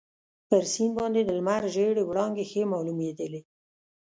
پر سیند باندي د لمر ژېړې وړانګې ښې معلومیدلې.